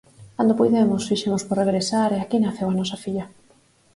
Cando puidemos fixemos por regresar e aquí naceu a nosa filla.